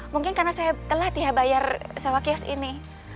mungkin karena saya telat ya bayar sewa kios ini